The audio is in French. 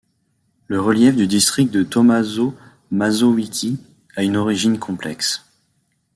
Le relief du district de Tomaszów Mazowiecki a une origine complexe.